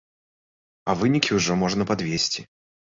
А вынікі ўжо можна падвесці.